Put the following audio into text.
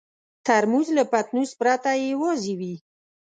ترموز له پتنوس پرته یوازې وي.